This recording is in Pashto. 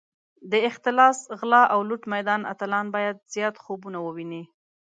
د اختلاس، غلا او لوټ میدان اتلان باید زیات خوبونه وویني.